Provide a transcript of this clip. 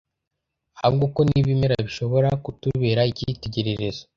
ahubwo ko n’ibimera bishobora kutubera icyitegererezo